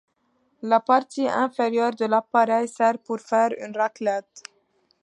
La partie inférieure de l'appareil sert pour faire une raclette.